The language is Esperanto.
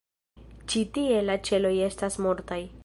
Ĉi-tie la ĉeloj estas mortaj.